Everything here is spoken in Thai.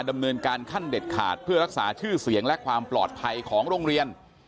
ดำเนินการขั้นเด็ดขาดเพื่อรักษาชื่อเสียงและความปลอดภัยของโรงเรียน